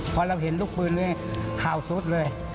พอเราเห็นลูกปืนนี้ข่าวสุดเลย